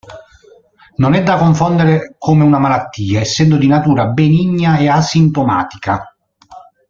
Non è da confondere come una malattia essendo di natura benigna e asintomatica.